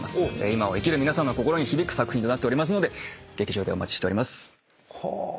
今を生きる皆さんの心に響く作品となっておりますので劇場でお待ちしております。